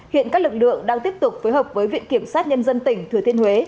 hiện các lực lượng đang tiếp tục phối hợp với viện kiểm sát nhân dân tỉnh thừa thiên huế